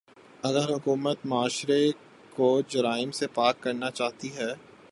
اگر حکومت معاشرے کو جرائم سے پاک کرنا چاہتی ہے۔